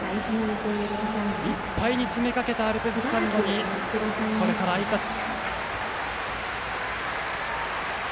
いっぱいに詰め掛けたアルプススタンドにこれから、あいさつ。